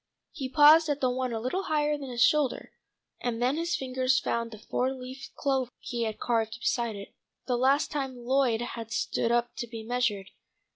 He paused at the one a little higher than his shoulder, and then his fingers found the four leaf clover he had carved beside it, the last time Lloyd had stood up to be measured.